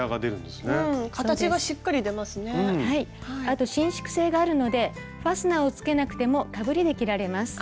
あと伸縮性があるのでファスナーをつけなくてもかぶりで着られます。